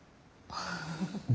ああ。